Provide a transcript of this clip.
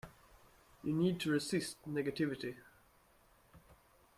You need to resist negativity.